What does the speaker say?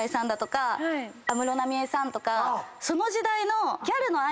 その時代の。